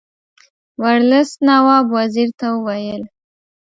ورلسټ نواب وزیر ته وویل.